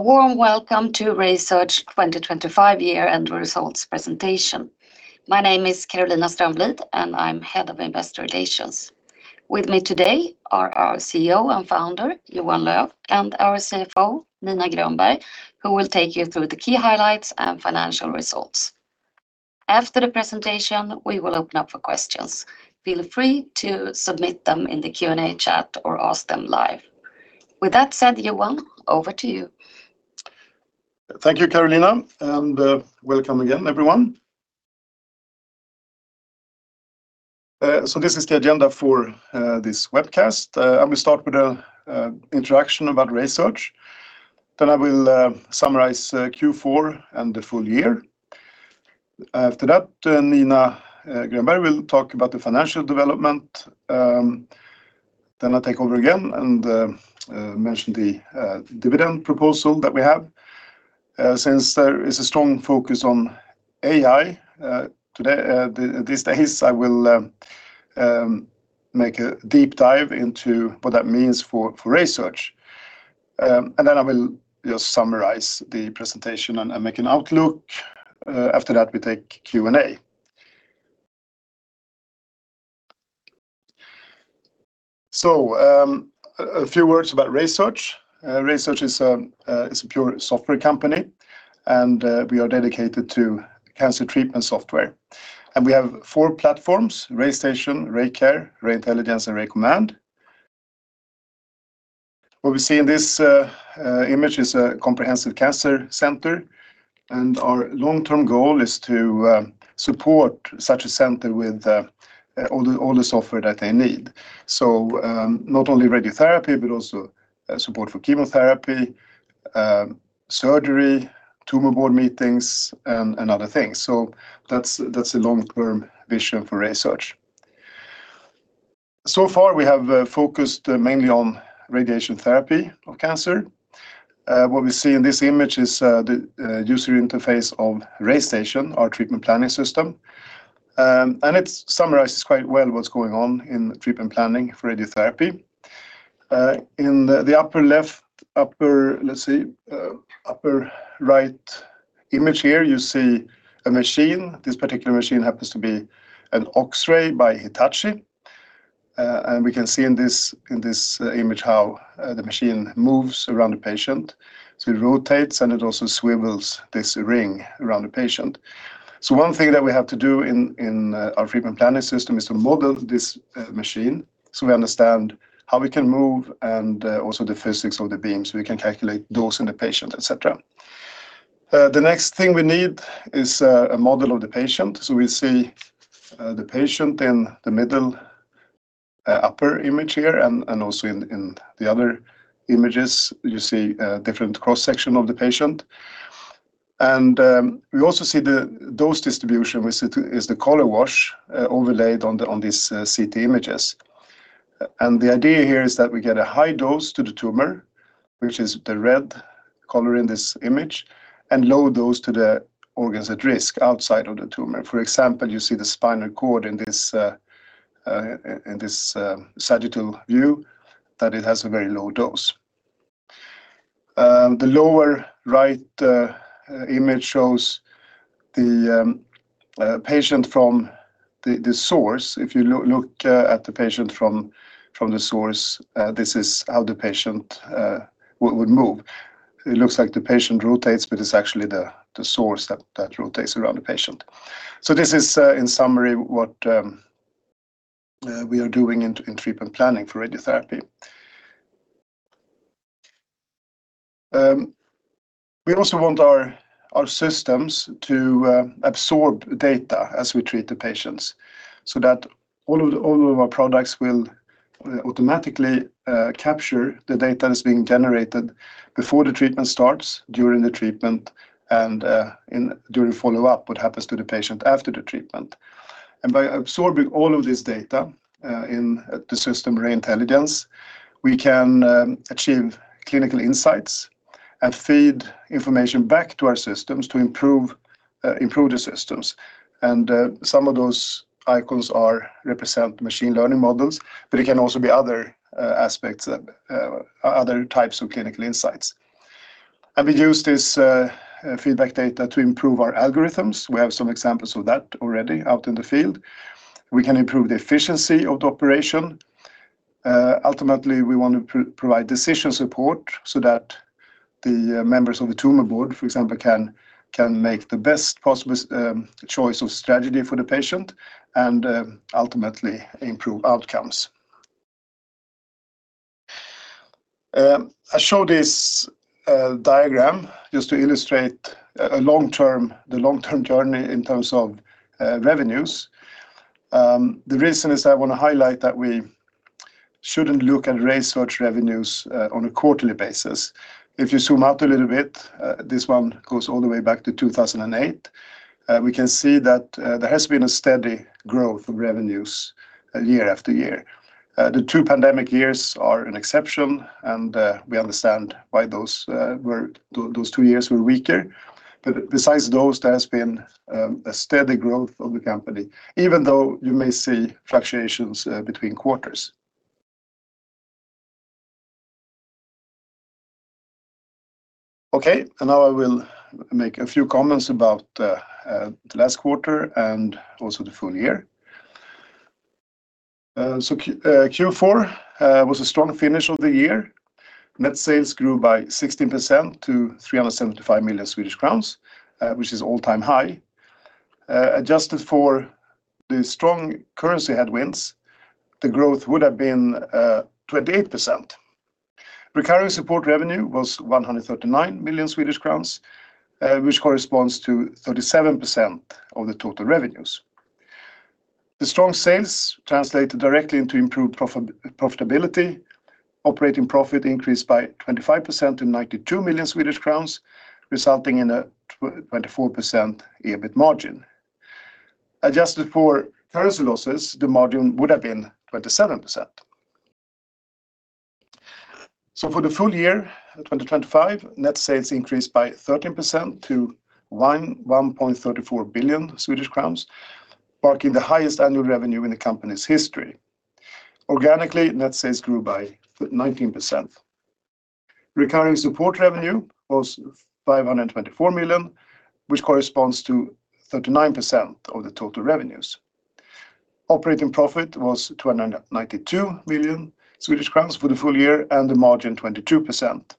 Warm welcome to RaySearch 2025 Year-End Results Presentation. My name is Karolina Strömblad, and I'm Head of Investor Relations. With me today are our CEO and founder, Johan Löf, and our CFO, Nina Grönberg, who will take you through the key highlights and financial results. After the presentation, we will open up for questions. Feel free to submit them in the Q&A chat or ask them live. With that said, Johan, over to you. Thank you, Karolina, and welcome again, everyone. So this is the agenda for this webcast. I will start with an introduction about RaySearch. Then I will summarize Q4 and the full year. After that, Nina Grönberg will talk about the financial development. Then I'll take over again and mention the dividend proposal that we have. Since there is a strong focus on AI today, these days, I will make a deep dive into what that means for RaySearch. And then I will just summarize the presentation and make an outlook. After that, we take Q&A. So a few words about RaySearch. RaySearch is a pure software company, and we are dedicated to cancer treatment software. We have four platforms, RayStation, RayCare, RayIntelligence, and RayCommand. What we see in this image is a comprehensive cancer center, and our long-term goal is to support such a center with all the software that they need. So, not only radiotherapy, but also support for chemotherapy, surgery, tumor board meetings, and other things. So that's a long-term vision for RaySearch. So far, we have focused mainly on radiation therapy of cancer. What we see in this image is the user interface of RayStation, our treatment planning system. And it summarizes quite well what's going on in treatment planning for radiotherapy. In the upper right image here, you see a machine. This particular machine happens to be an X-ray by Hitachi. And we can see in this image how the machine moves around the patient. So it rotates, and it also swivels this ring around the patient. So one thing that we have to do in our treatment planning system is to model this machine, so we understand how we can move, and also the physics of the beam, so we can calculate those in the patient, et cetera. The next thing we need is a model of the patient. So we see the patient in the middle upper image here, and also in the other images, you see different cross-section of the patient. We also see the dose distribution, which is the color wash overlaid on these CT images. The idea here is that we get a high dose to the tumor, which is the red color in this image, and low dose to the organs at risk outside of the tumor. For example, you see the spinal cord in this sagittal view, that it has a very low dose. The lower right image shows the patient from the source. If you look at the patient from the source, this is how the patient would move. It looks like the patient rotates, but it's actually the source that rotates around the patient. So this is, in summary, what we are doing in treatment planning for radiotherapy. We also want our systems to absorb data as we treat the patients, so that all of our products will automatically capture the data that's being generated before the treatment starts, during the treatment, and during follow-up, what happens to the patient after the treatment. And by absorbing all of this data in the system, RayIntelligence, we can achieve clinical insights and feed information back to our systems to improve the systems. And some of those icons represent machine learning models, but it can also be other aspects, other types of clinical insights. And we use this feedback data to improve our algorithms. We have some examples of that already out in the field. We can improve the efficiency of the operation. Ultimately, we want to provide decision support so that the members of the tumor board, for example, can make the best possible choice of strategy for the patient and ultimately improve outcomes. I show this diagram just to illustrate the long-term journey in terms of revenues. The reason is I want to highlight that we shouldn't look at RaySearch revenues on a quarterly basis. If you zoom out a little bit, this one goes all the way back to 2008, we can see that there has been a steady growth of revenues year after year. The two pandemic years are an exception, and we understand why those two years were weaker. But besides those, there has been a steady growth of the company, even though you may see fluctuations between quarters. Okay, and now I will make a few comments about the last quarter and also the full year. So Q4 was a strong finish of the year. Net sales grew by 16% to 375 million Swedish crowns, which is all-time high. Adjusted for the strong currency headwinds, the growth would have been 28%. Recurring support revenue was 139 million Swedish crowns, which corresponds to 37% of the total revenues. The strong sales translated directly into improved profitability. Operating profit increased by 25% to 92 million Swedish crowns, resulting in a 24% EBIT margin. Adjusted for currency losses, the margin would have been 27%. So for the full year 2025, net sales increased by 13% to 1.134 billion Swedish crowns, marking the highest annual revenue in the company's history. Organically, net sales grew by 19%. Recurring support revenue was 524 million, which corresponds to 39% of the total revenues. Operating profit was 292 million Swedish crowns for the full year, and the margin 22%.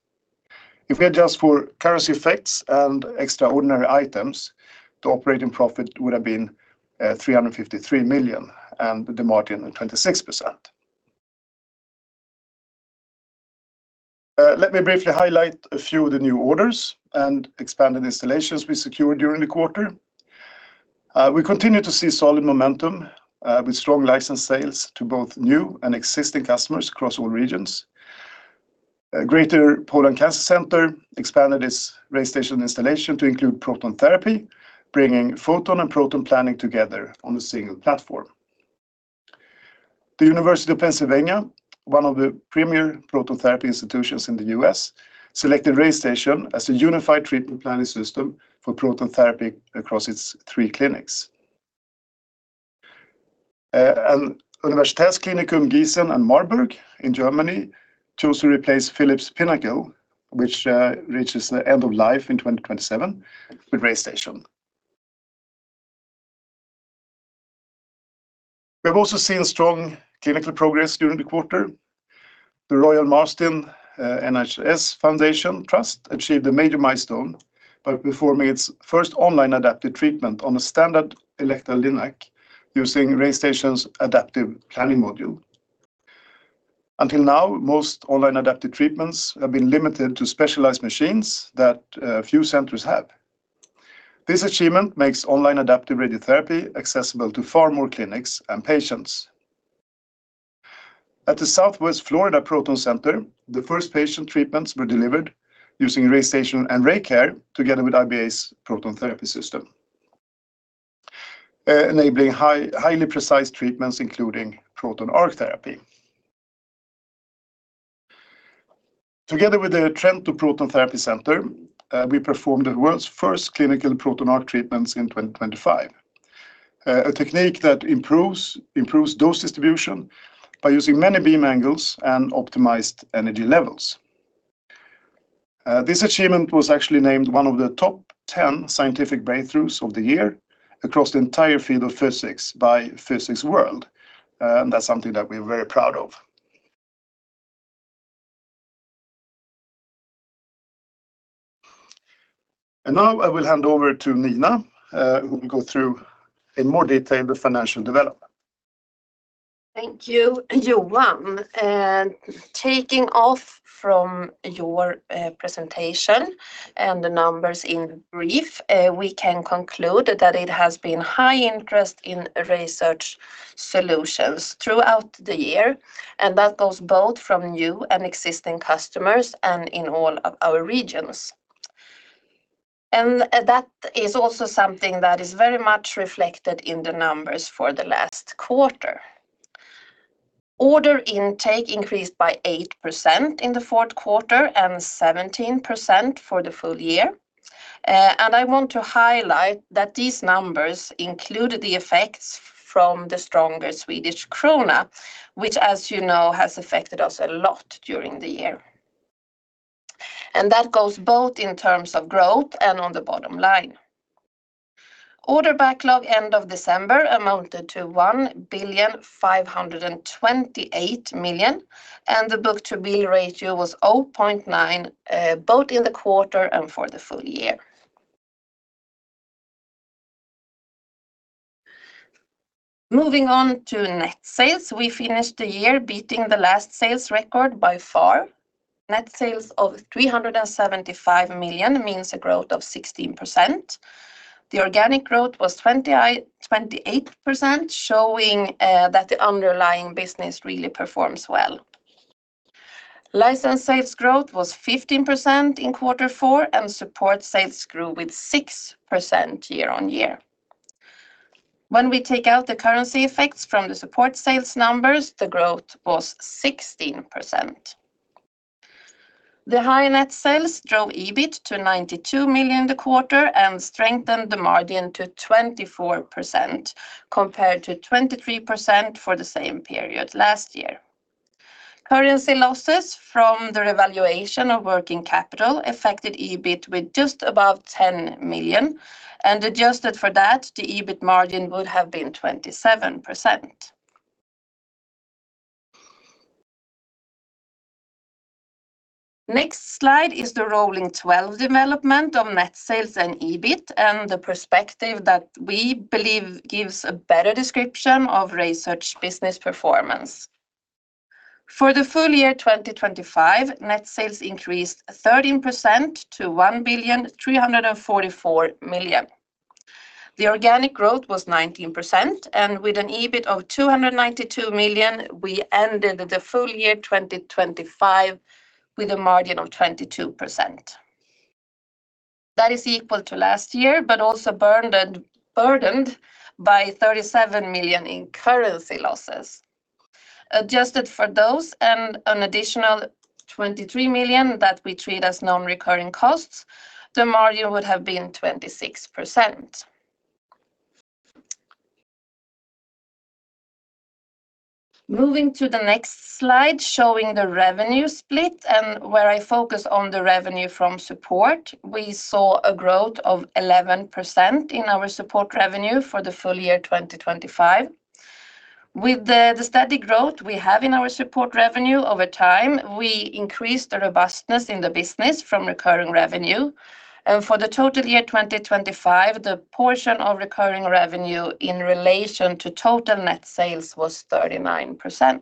If we adjust for currency effects and extraordinary items, the operating profit would have been 353 million, and the margin 26%. Let me briefly highlight a few of the new orders and expanded installations we secured during the quarter. We continue to see solid momentum with strong license sales to both new and existing customers across all regions. Greater Poland Cancer Center expanded its RayStation installation to include proton therapy, bringing photon and proton planning together on a single platform. The University of Pennsylvania, one of the premier proton therapy institutions in the U.S., selected RayStation as a unified treatment planning system for proton therapy across its three clinics. Universitätsklinikum Gießen und Marburg in Germany chose to replace Philips Pinnacle, which reaches the end of life in 2027, with RayStation. We have also seen strong clinical progress during the quarter. The Royal Marsden NHS Foundation Trust achieved a major milestone by performing its first online adaptive treatment on a standard Elekta LINAC using RayStation's adaptive planning module. Until now, most online adaptive treatments have been limited to specialized machines that few centers have. This achievement makes online adaptive radiotherapy accessible to far more clinics and patients. At the Southwest Florida Proton Center, the first patient treatments were delivered using RayStation and RayCare, together with IBA's proton therapy system, enabling highly precise treatments, including proton arc therapy. Together with the Trento Proton Therapy Center, we performed the world's first clinical proton arc treatments in 2025, a technique that improves dose distribution by using many beam angles and optimized energy levels. This achievement was actually named one of the top 10 scientific breakthroughs of the year across the entire field of physics by Physics World, and that's something that we're very proud of. Now I will hand over to Nina, who will go through in more detail the financial development. Thank you, Johan. Taking off from your presentation and the numbers in brief, we can conclude that it has been high interest in research solutions throughout the year, and that goes both from new and existing customers and in all of our regions. And that is also something that is very much reflected in the numbers for the last quarter. Order intake increased by 8% in the fourth quarter and 17% for the full year. And I want to highlight that these numbers include the effects from the stronger Swedish krona, which, as you know, has affected us a lot during the year, and that goes both in terms of growth and on the bottom line. Order backlog end of December amounted to 1,528 million, and the book-to-bill ratio was 0.9 both in the quarter and for the full year. Moving on to net sales, we finished the year beating the last sales record by far. Net sales of 375 million means a growth of 16%. The organic growth was 28%, showing that the underlying business really performs well. License sales growth was 15% in quarter four, and support sales grew with 6% year-on-year. When we take out the currency effects from the support sales numbers, the growth was 16%. The high net sales drove EBIT to 92 million the quarter and strengthened the margin to 24%, compared to 23% for the same period last year. Currency losses from the revaluation of working capital affected EBIT with just about 10 million, and adjusted for that, the EBIT margin would have been 27%. Next slide is the rolling twelve development of net sales and EBIT, and the perspective that we believe gives a better description of RaySearch business performance. For the full year 2025, net sales increased 13% to 1,344 million. The organic growth was 19%, and with an EBIT of 292 million, we ended the full year 2025 with a margin of 22%. That is equal to last year, but also burdened, burdened by 37 million in currency losses. Adjusted for those and an additional 23 million that we treat as non-recurring costs, the margin would have been 26%. Moving to the next slide, showing the revenue split and where I focus on the revenue from support, we saw a growth of 11% in our support revenue for the full year 2025. With the steady growth we have in our support revenue over time, we increased the robustness in the business from recurring revenue. For the total year 2025, the portion of recurring revenue in relation to total net sales was 39%.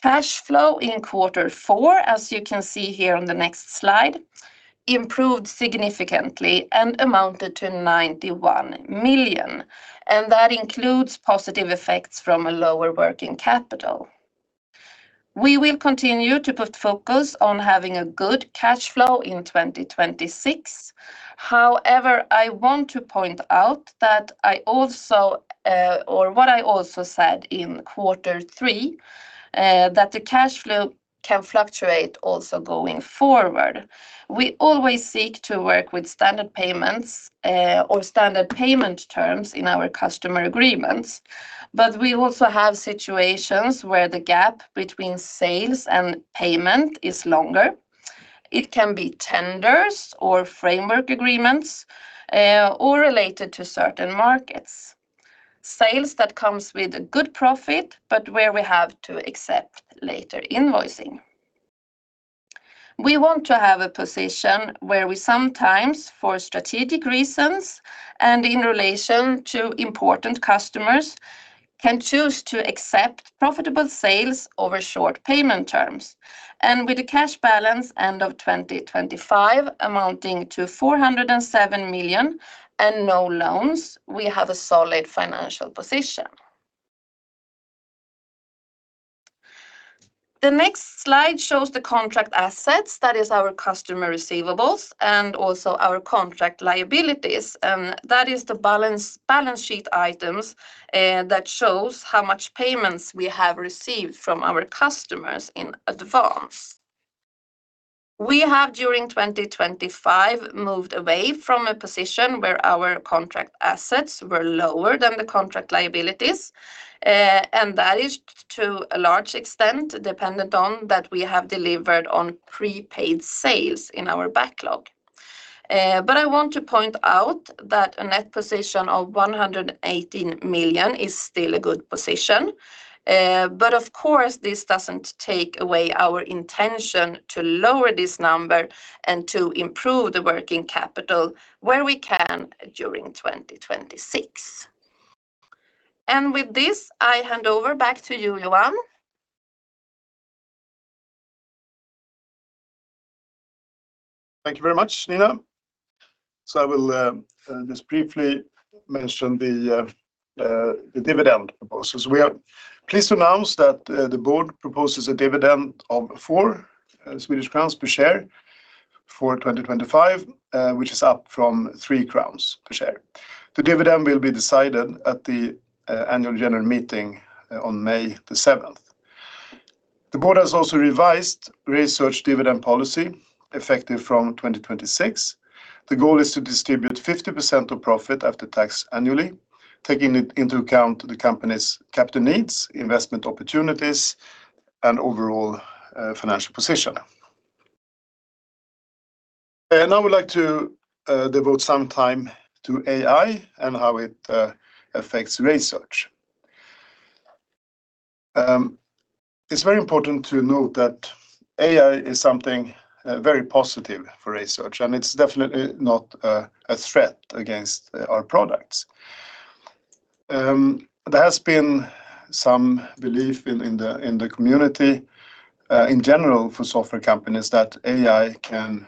Cash flow in quarter four, as you can see here on the next slide, improved significantly and amounted to 91 million, and that includes positive effects from a lower working capital. We will continue to put focus on having a good cash flow in 2026. However, I want to point out that I also, or what I also said in quarter three, that the cash flow can fluctuate also going forward. We always seek to work with standard payments, or standard payment terms in our customer agreements, but we also have situations where the gap between sales and payment is longer. It can be tenders or framework agreements, or related to certain markets. Sales that comes with a good profit, but where we have to accept later invoicing. We want to have a position where we sometimes, for strategic reasons and in relation to important customers, can choose to accept profitable sales over short payment terms. And with the cash balance end of 2025 amounting to 407 million and no loans, we have a solid financial position. The next slide shows the contract assets, that is our customer receivables, and also our contract liabilities. That is the balance sheet items that shows how much payments we have received from our customers in advance. We have, during 2025, moved away from a position where our contract assets were lower than the contract liabilities. And that is, to a large extent, dependent on that we have delivered on prepaid sales in our backlog. But I want to point out that a net position of 118 million is still a good position. But of course, this doesn't take away our intention to lower this number and to improve the working capital where we can during 2026. And with this, I hand over back to you, Johan. Thank you very much, Nina. I will just briefly mention the dividend proposals. We are pleased to announce that the board proposes a dividend of 4 Swedish crowns per share for 2025, which is up from 3 crowns per share. The dividend will be decided at the annual general meeting on May 7. The board has also revised RaySearch dividend policy, effective from 2026. The goal is to distribute 50% of profit after tax annually, taking into account the company's capital needs, investment opportunities, and overall financial position. I would like to devote some time to AI and how it affects RaySearch. It's very important to note that AI is something very positive for RaySearch, and it's definitely not a threat against our products. There has been some belief in the community in general for software companies that AI can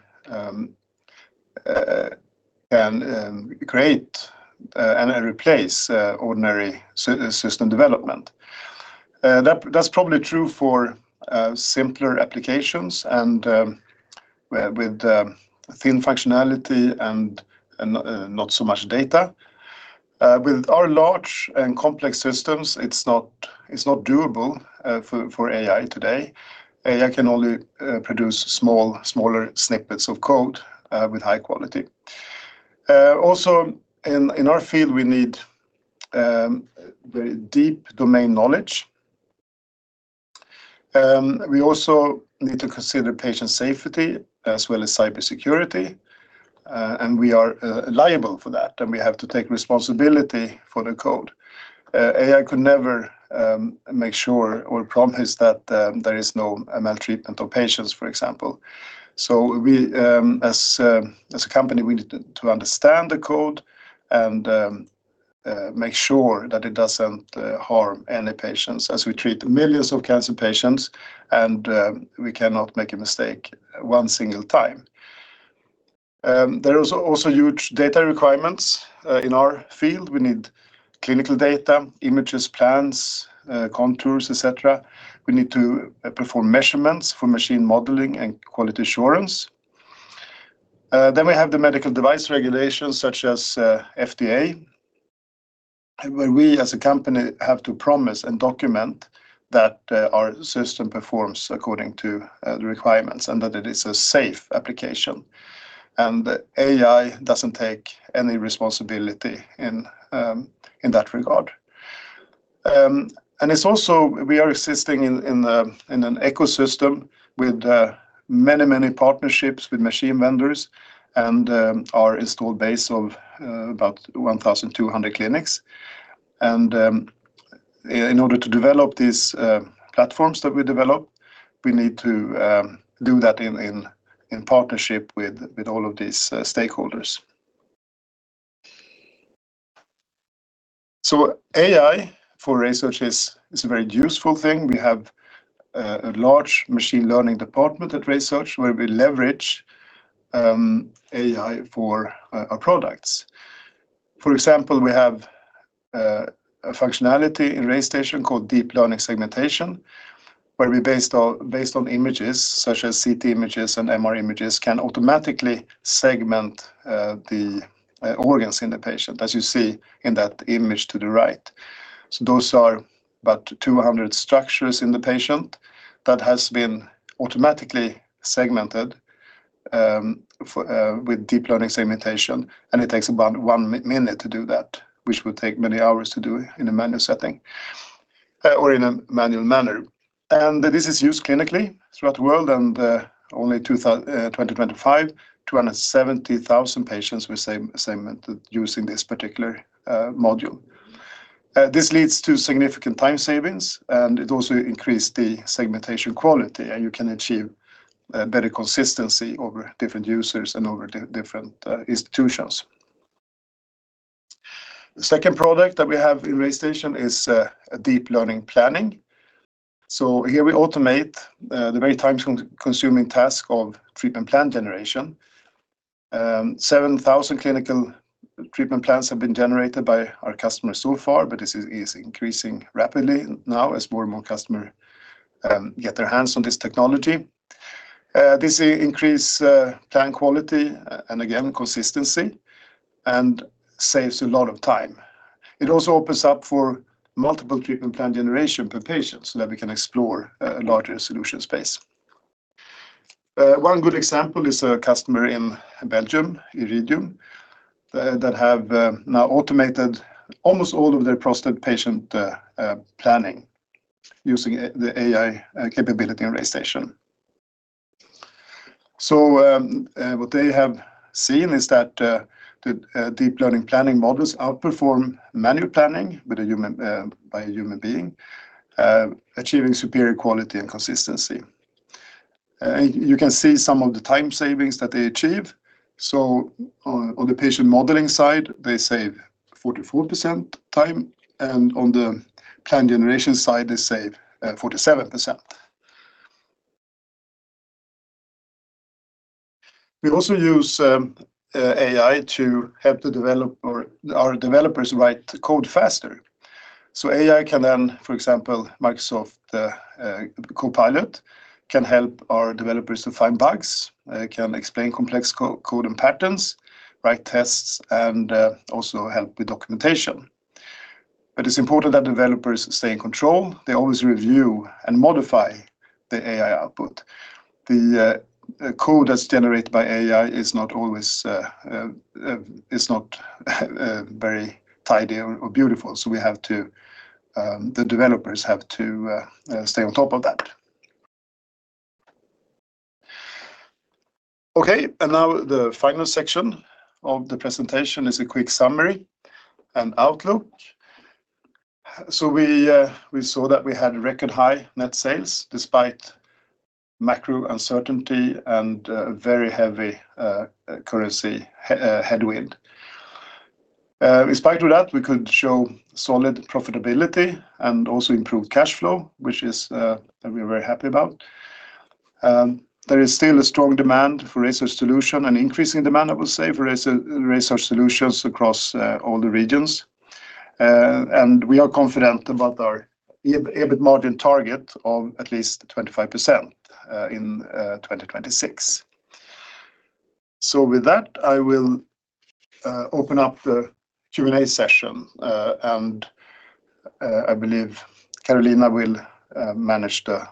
create and replace ordinary system development. That's probably true for simpler applications and with thin functionality and not so much data. With our large and complex systems, it's not doable for AI today. AI can only produce smaller snippets of code with high quality. Also, in our field, we need very deep domain knowledge. We also need to consider patient safety as well as cybersecurity, and we are liable for that, and we have to take responsibility for the code. AI could never make sure or promise that there is no maltreatment of patients, for example. So we, as a company, we need to understand the code and make sure that it doesn't harm any patients, as we treat millions of cancer patients, and we cannot make a mistake one single time. There is also huge data requirements in our field. We need clinical data, images, plans, contours, et cetera. We need to perform measurements for machine modeling and quality assurance. Then we have the medical device regulations, such as FDA, where we as a company have to promise and document that our system performs according to the requirements and that it is a safe application, and AI doesn't take any responsibility in that regard. And it's also we are existing in an ecosystem with many partnerships with machine vendors and our installed base of about 1,200 clinics. In order to develop these platforms that we develop, we need to do that in partnership with all of these stakeholders. So AI for research is a very useful thing. We have a large machine learning department at RaySearch, where we leverage AI for our products. For example, we have a functionality in RayStation called Deep Learning Segmentation, where we based on images such as CT images and MR images, can automatically segment the organs in the patient, as you see in that image to the right. So those are about 200 structures in the patient that has been automatically segmented for with Deep Learning Segmentation, and it takes about 1 minute to do that, which would take many hours to do in a manual setting or in a manual manner. And this is used clinically throughout the world, and only in 2025, 270,000 patients were segmented using this particular module. This leads to significant time savings, and it also increased the segmentation quality, and you can achieve better consistency over different users and over different institutions. The second product that we have in RayStation is a Deep Learning Planning. So here we automate the very time-consuming task of treatment plan generation. 7,000 clinical treatment plans have been generated by our customers so far, but this is increasing rapidly now as more and more customers get their hands on this technology. This increases plan quality and, again, consistency and saves a lot of time. It also opens up for multiple treatment plan generation per patient so that we can explore a larger solution space. One good example is a customer in Belgium, Iridium, that have now automated almost all of their prostate patient planning using the AI capability in RayStation. So, what they have seen is that the Deep Learning Planning models outperform manual planning by a human being, achieving superior quality and consistency. You can see some of the time savings that they achieve. So on the patient modeling side, they save 44% time, and on the plan generation side, they save 47%. We also use AI to help the developer or our developers write code faster. So AI can then, for example, Microsoft Copilot, can help our developers to find bugs, can explain complex code and patterns, write tests, and also help with documentation. But it's important that developers stay in control. They always review and modify the AI output. The code that's generated by AI is not always very tidy or beautiful. So the developers have to stay on top of that. Okay, and now the final section of the presentation is a quick summary and outlook. So we saw that we had record high net sales, despite macro uncertainty and very heavy currency headwind. In spite of that, we could show solid profitability and also improved cash flow, which is that we are very happy about. There is still a strong demand for RaySearch solution and increasing demand, I would say, for RaySearch, RaySearch solutions across all the regions. And we are confident about our EBIT margin target of at least 25% in 2026. So with that, I will open up the Q&A session, and I believe Karolina will manage the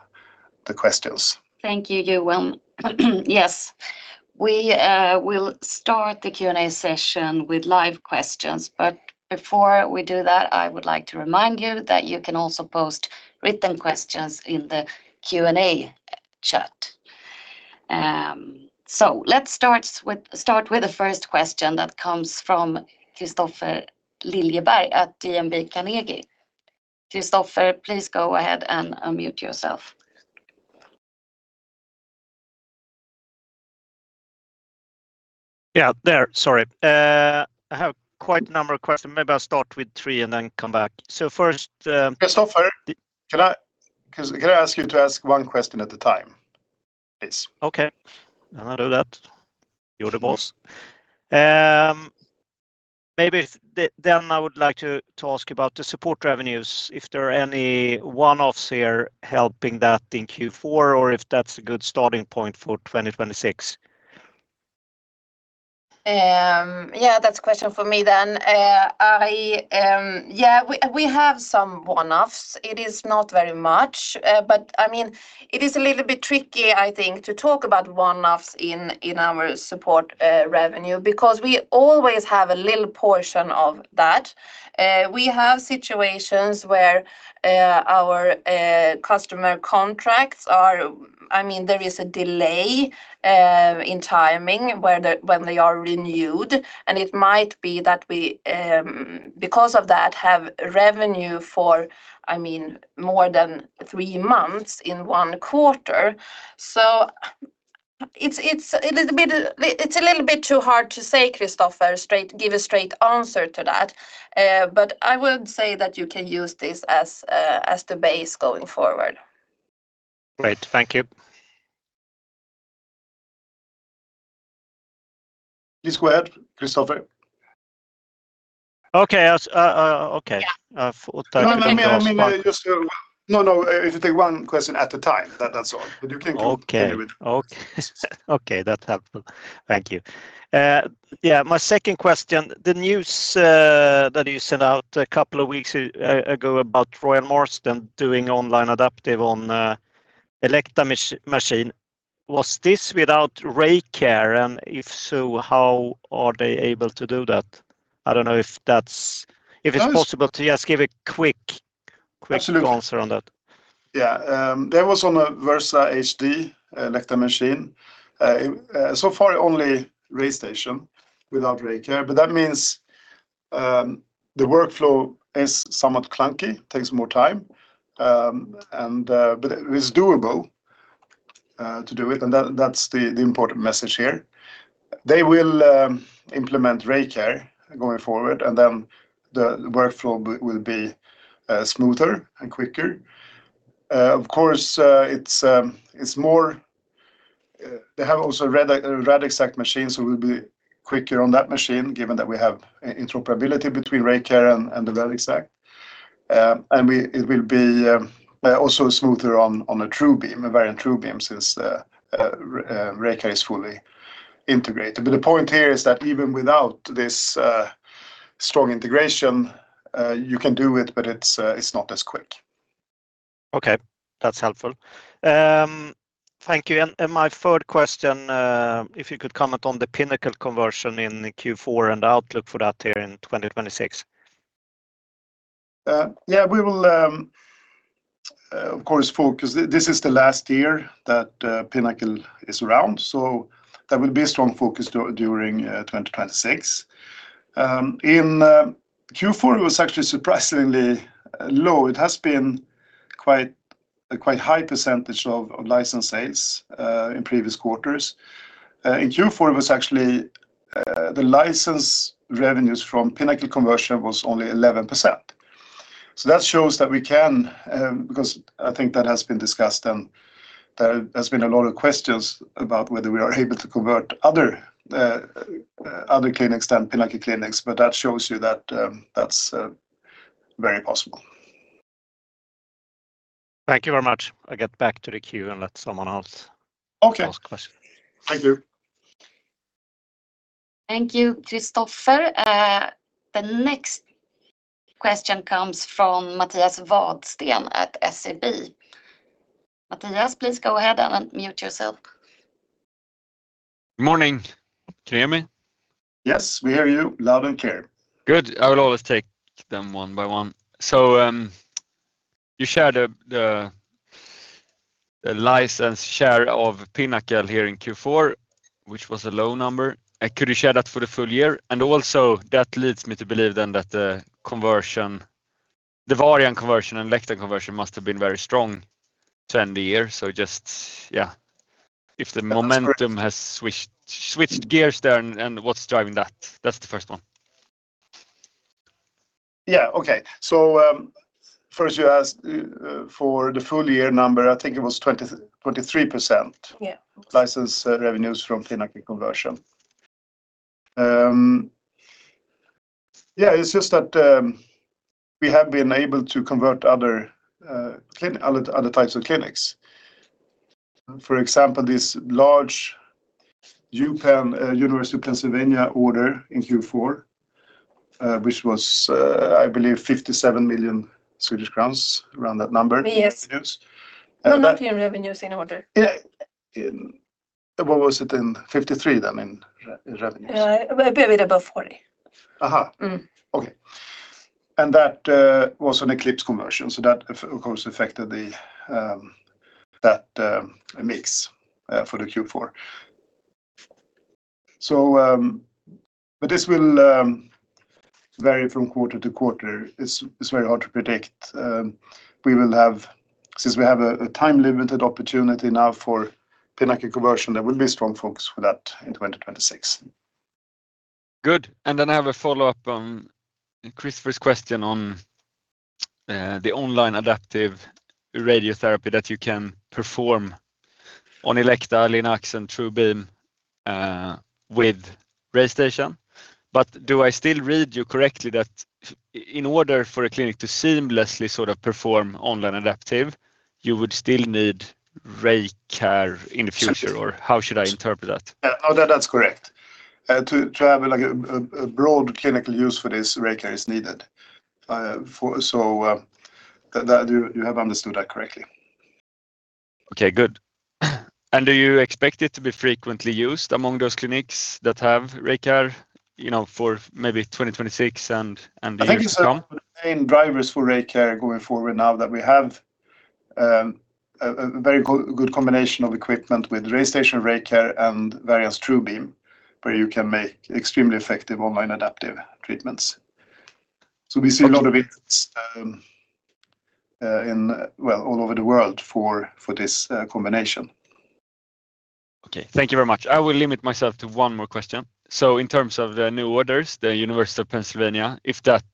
questions. Thank you, Johan. Yes, we will start the Q&A session with live questions, but before we do that, I would like to remind you that you can also post written questions in the Q&A chat. So let's start with the first question that comes from Kristofer Liljeberg at Carnegie. Kristofer, please go ahead and unmute yourself. Yeah, there, sorry. I have quite a number of questions. Maybe I'll start with three and then come back. So first, Kristofer, could I ask you to ask one question at a time, please? Okay, I'll do that. You're the boss. Maybe then I would like to ask you about the support revenues, if there are any one-offs here helping that in Q4, or if that's a good starting point for 2026. Yeah, that's a question for me then. Yeah, we have some one-offs. It is not very much, but I mean, it is a little bit tricky, I think, to talk about one-offs in our support revenue, because we always have a little portion of that. We have situations where our customer contracts are. I mean, there is a delay in timing, where when they are renewed, and it might be that we, because of that, have revenue for, I mean, more than three months in one quarter. So it's a bit, it's a little bit too hard to say, Kristofer, straight, give a straight answer to that. But I would say that you can use this as the base going forward. Great, thank you. Please go ahead, Kristofer. Okay, I was, okay. Yeah. Thought No, no, I mean, just, No, no, if you take one question at a time, that's all. But you can continue it. Okay, okay. That's helpful. Thank you. Yeah, my second question, the news that you sent out a couple of weeks ago about Royal Marsden doing online adaptive on Elekta machine, was this without RayCare? And if so, how are they able to do that? I don't know if that's, if it's possible to just give a quick. Absolutely Quick answer on that. Yeah, that was on a Versa HD Elekta machine. So far, only RayStation without RayCare, but that means the workflow is somewhat clunky, takes more time, and but it is doable to do it, and that's the important message here. They will implement RayCare going forward, and then the workflow will be smoother and quicker. Of course, it's more, they have also Radixact machine, so we'll be quicker on that machine, given that we have interoperability between RayCare and the Radixact. And it will be also smoother on a TrueBeam, a Varian TrueBeam, since RayCare is fully integrated. But the point here is that even without this strong integration, you can do it, but it's not as quick. Okay, that's helpful. Thank you, and, and my third question, if you could comment on the Pinnacle conversion in Q4 and outlook for that here in 2026. Yeah, we will, of course, focus. This is the last year that Pinnacle is around, so there will be a strong focus during 2026. In Q4, it was actually surprisingly low. It has been quite a high percentage of license sales in previous quarters. In Q4, it was actually the license revenues from Pinnacle conversion was only 11%. So that shows that we can, because I think that has been discussed, and there has been a lot of questions about whether we are able to convert other clinics than Pinnacle clinics, but that shows you that that's very possible. Thank you very much. I'll get back to the queue and let someone else. Okay Ask questions. Thank you. Thank you, Kristofer. The next question comes from Mattias Vadsten at SEB. Mattias, please go ahead and unmute yourself. Morning. Can you hear me? Yes, we hear you loud and clear. Good. I will always take them one by one. So, you shared the license share of Pinnacle here in Q4, which was a low number. And could you share that for the full year? And also, that leads me to believe then that the conversion, the Varian conversion and Elekta conversion must have been very strong to end the year. So just, yeah, if the momentum- That's correct Has switched gears there, and what's driving that? That's the first one. Yeah, okay. First you asked for the full year number, I think it was 20-23%. Yeah. License revenues from Pinnacle conversion. Yeah, it's just that, we have been able to convert other types of clinics. For example, this large UPenn, University of Pennsylvania order in Q4, which was, I believe 57 million Swedish crowns, around that number. Yes. In revenues. No, not in revenues, in order. Yeah, what was it in? 53 then in revenues. A bit above 40. Okay. And that was an Eclipse conversion, so that of course affected the mix for the Q4. So, but this will vary from quarter to quarter. It's very hard to predict. We will have, since we have a time-limited opportunity now for Pinnacle conversion, there will be a strong focus for that in 2026. Good. And then I have a follow-up on Christopher's question on the online adaptive radiotherapy that you can perform on Elekta LINACs and TrueBeam with RayStation. But do I still read you correctly that in order for a clinic to seamlessly sort of perform online adaptive, you would still need RayCare in the future-or how should I interpret that? Yeah. Oh, that's correct. To have, like, a broad clinical use for this, RayCare is needed. So that you have understood that correctly. Okay, good. And do you expect it to be frequently used among those clinics that have RayCare, you know, for maybe 2026 and the years to come? I think the main drivers for RayCare going forward now that we have a very good combination of equipment with RayStation, RayCare, and Varian's TrueBeam, where you can make extremely effective online adaptive treatments. So we see a lot of it, well, all over the world for this combination. Okay, thank you very much. I will limit myself to one more question. So in terms of the new orders, the University of Pennsylvania, if that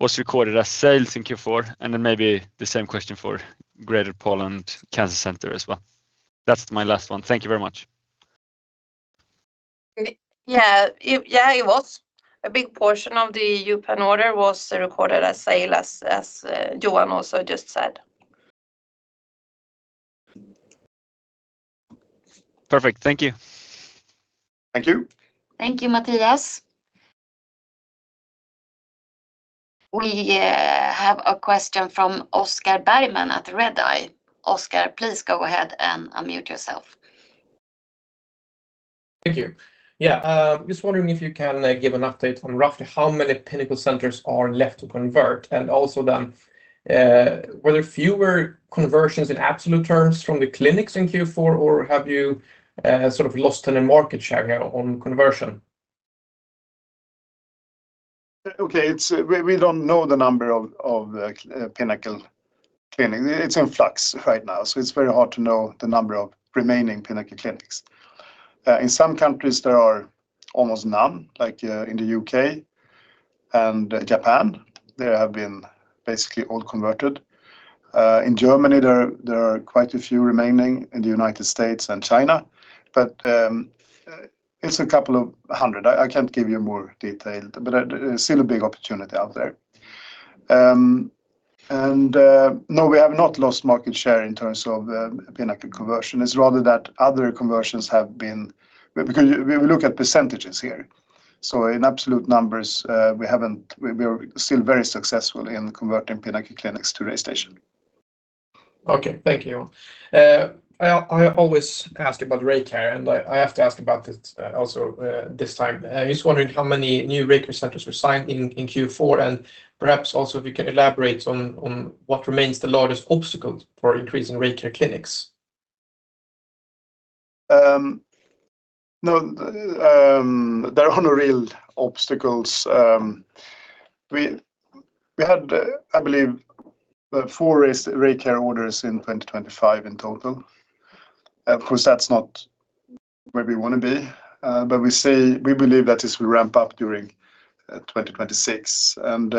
was recorded as sales in Q4, and then maybe the same question for Greater Poland Cancer Center as well? That's my last one. Thank you very much. Yeah, it was. A big portion of the UPenn order was recorded as sales, as Johan also just said. Perfect. Thank you. Thank you. Thank you, Mattias. We have a question from Oscar Bergman at Redeye. Oscar, please go ahead and unmute yourself. Thank you. Yeah, just wondering if you can give an update on roughly how many Pinnacle centers are left to convert, and also then, were there fewer conversions in absolute terms from the clinics in Q4, or have you sort of lost any market share on conversion? Okay, we don't know the number of Pinnacle clinics. It's in flux right now, so it's very hard to know the number of remaining Pinnacle clinics. In some countries, there are almost none, like, in the UK and Japan. They have been basically all converted. In Germany, there are quite a few remaining, in the United States and China, but it's a couple of hundred. I can't give you more detail, but still a big opportunity out there. And no, we have not lost market share in terms of Pinnacle conversion. It's rather that other conversions have been. Because we look at percentages here. So in absolute numbers, we haven't-- we're still very successful in converting Pinnacle clinics to RayStation. Okay. Thank you. I always ask about RayCare, and I have to ask about it also this time. I'm just wondering how many new RayCare centers were signed in Q4, and perhaps also if you can elaborate on what remains the largest obstacle for increasing RayCare clinics? No, there are no real obstacles. We had, I believe, four RayCare orders in 2025 in total. Of course, that's not where we wanna be, but we believe that this will ramp up during 2026. And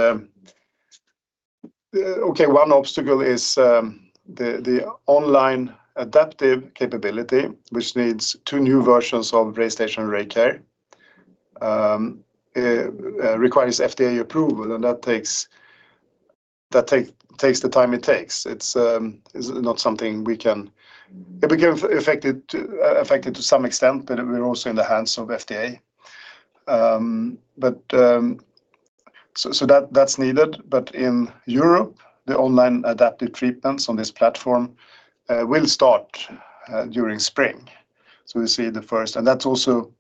okay, one obstacle is the online adaptive capability, which needs two new versions of RayStation and RayCare. Requires FDA approval, and that takes the time it takes. It's not something we can affect to some extent, but we're also in the hands of FDA. But so that's needed. But in Europe, the online adaptive treatments on this platform will start during spring. So we see the first. That's also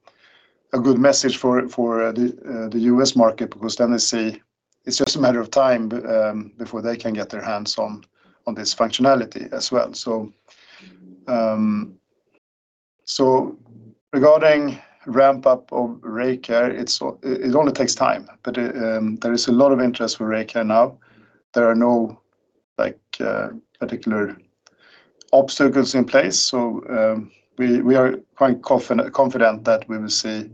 a good message for the U.S. market because then they say it's just a matter of time before they can get their hands on this functionality as well. So regarding ramp up of RayCare, it only takes time, but there is a lot of interest for RayCare now. There are no particular obstacles in place, so we are quite confident that we will see,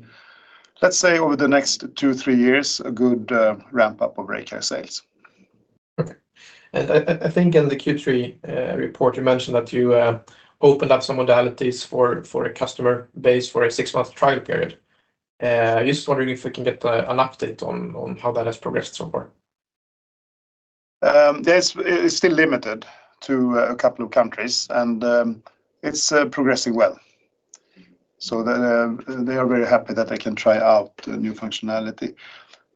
let's say, over the next two-three years, a good ramp up of RayCare sales. Okay. I think in the Q3 report, you mentioned that you opened up some modalities for a customer base for a six-month trial period. Just wondering if we can get an update on how that has progressed so far? Yes, it's still limited to a couple of countries, and it's progressing well. So they are very happy that they can try out the new functionality.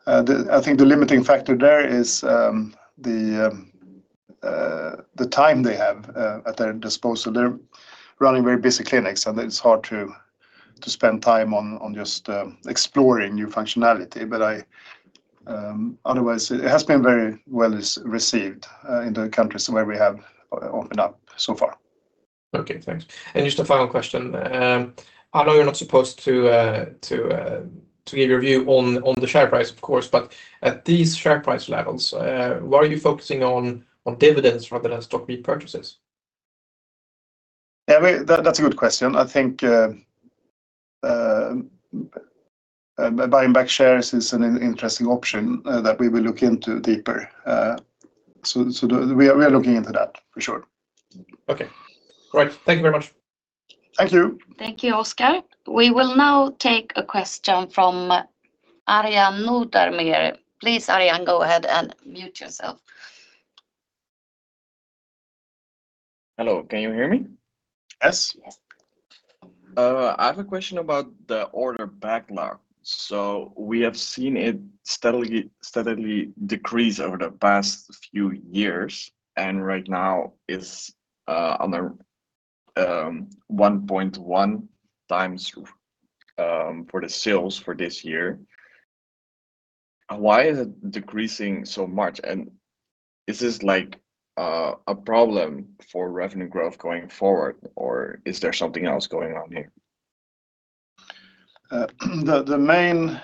I think the limiting factor there is the time they have at their disposal. They're running very busy clinics, and it's hard to spend time on just exploring new functionality. But otherwise, it has been very well received in the countries where we have opened up so far. Okay, thanks. And just a final question. I know you're not supposed to give your view on the share price, of course, but at these share price levels, why are you focusing on dividends rather than stock repurchases? Yeah, well, that's a good question. I think buying back shares is an interesting option that we will look into deeper. So, we are looking into that, for sure. Okay. All right. Thank you very much. Thank you. Thank you, Oscar. We will now take a question from Arjan Noordermeer. Please, Arjan, go ahead and unmute yourself. Hello, can you hear me? Yes. I have a question about the order backlog. So we have seen it steadily, steadily decrease over the past few years, and right now it's on a 1.1x for the sales for this year. Why is it decreasing so much? And is this, like, a problem for revenue growth going forward, or is there something else going on here? The main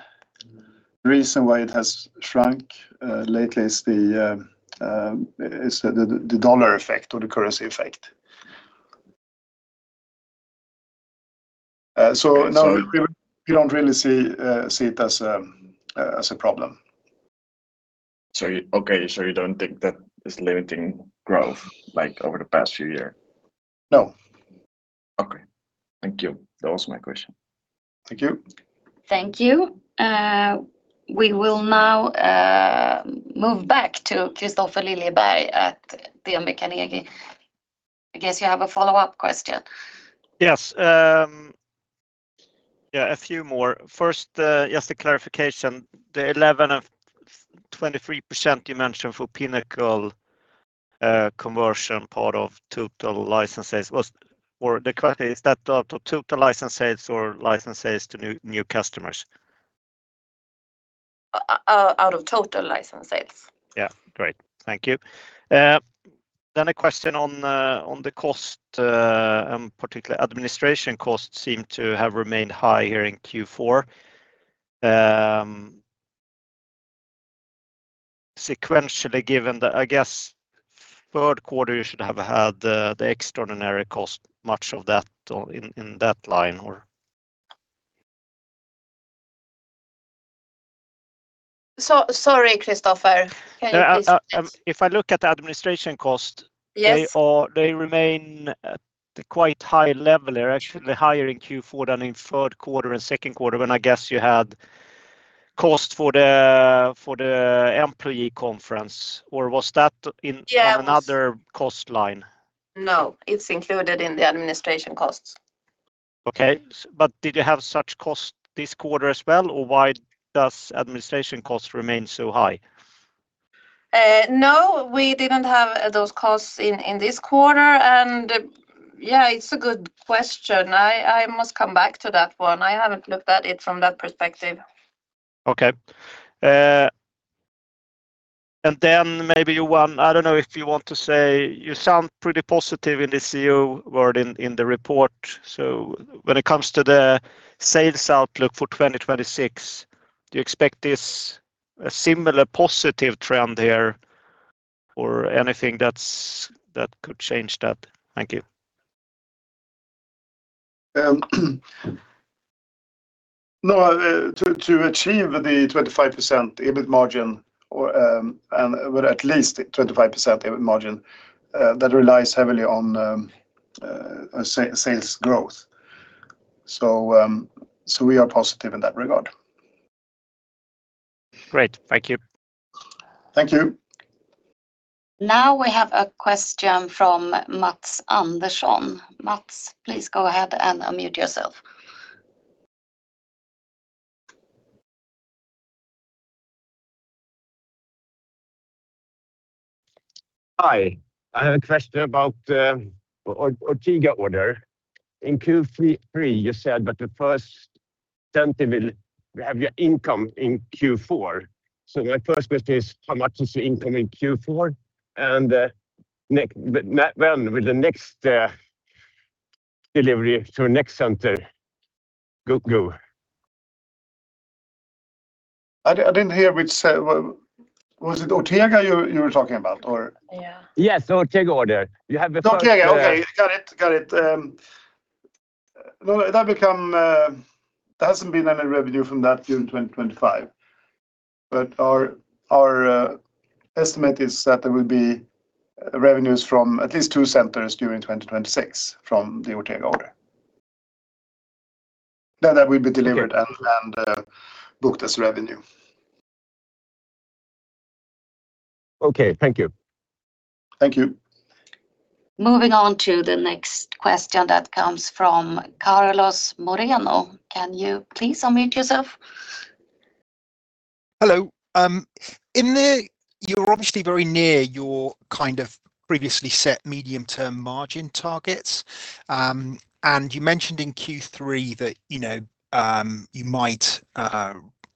reason why it has shrunk lately is the dollar effect or the currency effect. So no, we don't really see it as a problem. Okay, so you don't think that it's limiting growth, like, over the past few years? No. Okay. Thank you. That was my question. Thank you. Thank you. We will now move back to Kristofer Liljeberg at DNB Carnegie. I guess you have a follow-up question. Yes, yeah, a few more. First, just a clarification. The 11 of 23% you mentioned for Pinnacle, conversion part of total license sales, was. Or the question, is that out of total license sales or license sales to new, new customers? Out of total license sales. Yeah, great. Thank you. Then a question on the cost, and particularly administration costs seem to have remained high here in Q4. Sequentially, given that, I guess, third quarter, you should have had the extraordinary cost, much of that, in that line, or? So sorry, Kristofer, can you please ex. If I look at the administration cost. Yes They are, they remain at a quite high level. They're actually higher in Q4 than in third quarter and second quarter, when I guess you had cost for the, for the employee conference, or was that in. Yeah Another cost line? No, it's included in the administration costs. Okay, but did you have such costs this quarter as well, or why does administrative costs remain so high? No, we didn't have those costs in this quarter, and yeah, it's a good question. I must come back to that one. I haven't looked at it from that perspective. Okay. And then maybe one, I don't know if you want to say. You sound pretty positive in the CEO word in the report. So when it comes to the sales outlook for 2026, do you expect this a similar positive trend there, or anything that's that could change that? Thank you. No, to achieve the 25% EBIT margin or, and well, at least 25% EBIT margin, that relies heavily on sales growth. So, we are positive in that regard. Great, thank you. Thank you. Now we have a question from Mats Andersson. Mats, please go ahead and unmute yourself. Hi, I have a question about Ortega order. In Q3, you said that the first center will have your income in Q4. So my first question is, how much is your income in Q4, and next, but when will the next delivery to next center go? I didn't hear which, was it Ortega you were talking about, or? Yeah. Yes, Ortega order. You have the. Ortega, okay, got it. Got it. Well, that become. There hasn't been any revenue from that during 2025, but our estimate is that there will be revenues from at least two centers during 2026 from the Ortega order. Then that will be delivered. Okay And, and, booked as revenue. Okay, thank you. Thank you. Moving on to the next question that comes from Carlos Moreno. Can you please unmute yourself? Hello. You're obviously very near your, kind of, previously set medium-term margin targets. And you mentioned in Q3 that, you know, you might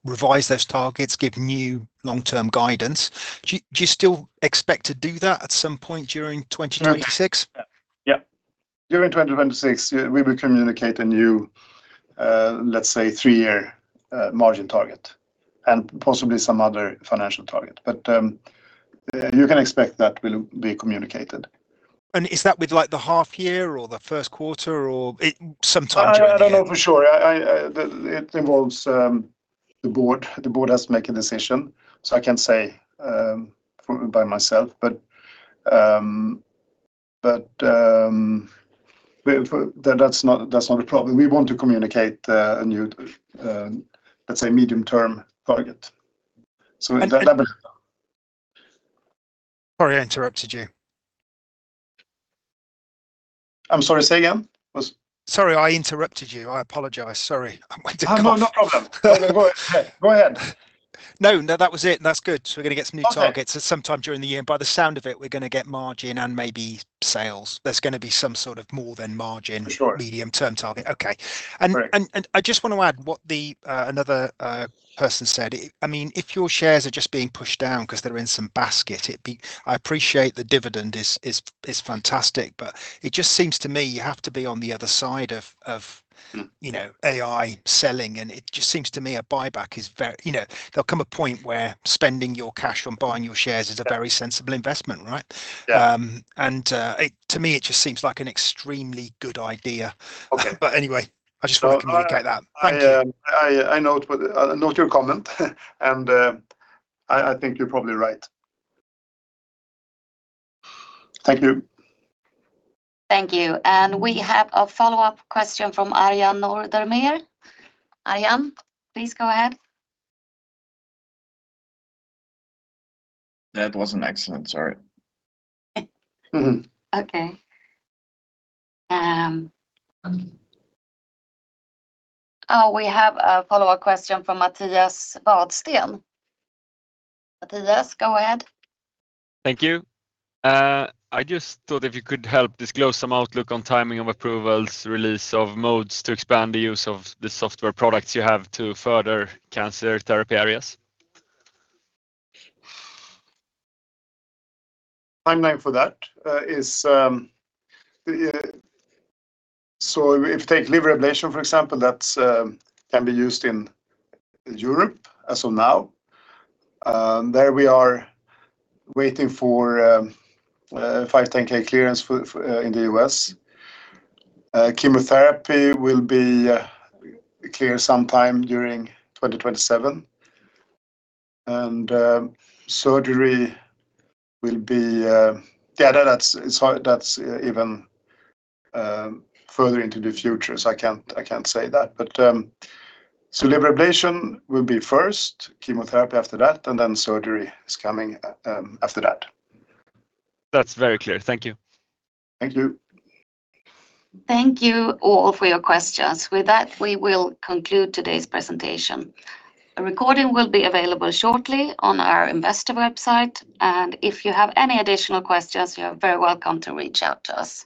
revise those targets, give new long-term guidance. Do you still expect to do that at some point during 2026? Yeah. Yeah, during 2026, we will communicate a new, let's say, three-year, margin target and possibly some other financial target. But, you can expect that will be communicated. Is that with, like, the half year or the first quarter, or it sometime during the year? I don't know for sure. It involves the board. The board has to make a decision, so I can't say by myself. But that's not a problem. We want to communicate a new, let's say, medium-term target. So at that level. Sorry, I interrupted you. I'm sorry, say again. Sorry, I interrupted you. I apologize. Sorry. I went to. Oh, no, no problem. No, no, go ahead. Go ahead. No, no, that was it. That's good. So we're gonna get some new targets at some time during the year. By the sound of it, we're gonna get margin and maybe sales. There's gonna be some sort of more-than-margin. For sure. Medium-term target. Okay. Great. I just want to add what another person said. I mean, if your shares are just being pushed down 'cause they're in some basket, it'd be. I appreciate the dividend is fantastic, but it just seems to me, you have to be on the other side of, you know, AI selling, and it just seems to me a buyback is very, you know, there'll come a point where spending your cash on buying your shares is a very sensible investment, right? Yeah. To me, it just seems like an extremely good idea. Okay. But anyway, I just wanted to communicate that. Well, I. Thank you. I note your comment, and I think you're probably right. Thank you. Thank you. We have a follow-up question from Arjan Nordermeer. Arjan, please go ahead. That was an excellent, sorry. Okay. We have a follow-up question from Mattias Vadsten. Mattias, go ahead. Thank you. I just thought if you could help disclose some outlook on timing of approvals, release of modes to expand the use of the software products you have to further cancer therapy areas? Timeline for that is. So if you take liver ablation, for example, that can be used in Europe as of now. There we are waiting for a 510(k) clearance for in the U.S. Chemotherapy will be clear sometime during 2027, and surgery will be. Yeah, that's, it's hard, that's even further into the future, so I can't, I can't say that. But so liver ablation will be first, chemotherapy after that, and then surgery is coming after that. That's very clear. Thank you. Thank you. Thank you all for your questions. With that, we will conclude today's presentation. A recording will be available shortly on our investor website, and if you have any additional questions, you are very welcome to reach out to us.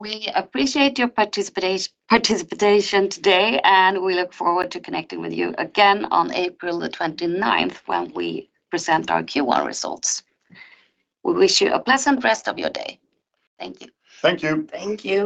We appreciate your participation today, and we look forward to connecting with you again on April the 29th, when we present our Q1 results. We wish you a pleasant rest of your day. Thank you. Thank you. Thank you.